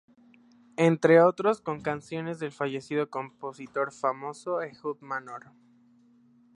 Entre otros con canciones del fallecido compositor famoso Ehud Manor.